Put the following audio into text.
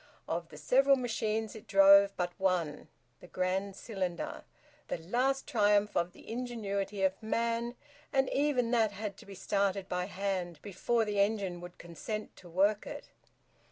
Of the several machines it drove but one, the grand cylinder, the last triumph of the ingenuity of man, and even that had to be started by hand before the engine would consent to work it.